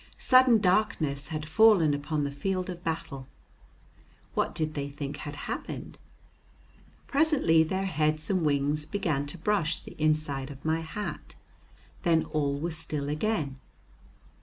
Sudden darkness had fallen upon the field of battle. What did they think had happened? Presently their heads and wings began to brush the inside of my hat. Then all was still again.